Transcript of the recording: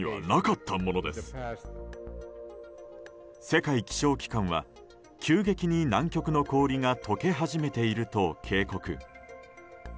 世界気象機関は急激に南極の氷が解け始めていると警告。